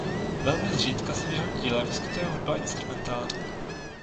Velmi zřídka se v jeho díle vyskytuje hudba instrumentální.